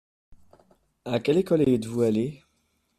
À quelle école êtes-vous allé ?